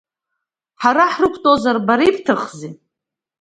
Ҳара ҳрықәтәозар бара ибҭахузеи?